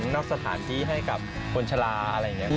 นอกสถานที่ให้กับคนชะลาอะไรอย่างนี้